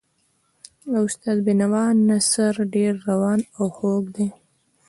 د استاد د بینوا نثر ډېر روان او خوږ دی.